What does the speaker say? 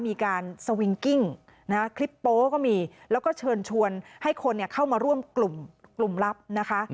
มีการสวิงกิ้งนะคะคลิปโป๊ก็มีแล้วก็เชิญชวนให้คนเข้ามาร่วมกลุ่มกลุ่มลับนะคะ